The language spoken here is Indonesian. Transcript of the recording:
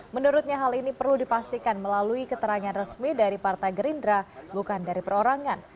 menurutnya hal ini perlu dipastikan melalui keterangan resmi dari partai gerindra bukan dari perorangan